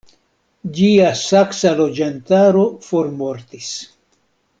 Ĝia saksa loĝantaro formortis.